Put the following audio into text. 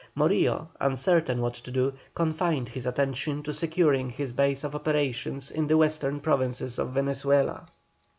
Morillo, uncertain what to do, confined his attention to securing his base of operations in the western provinces of Venezuela.